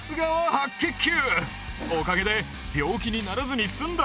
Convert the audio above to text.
白血球。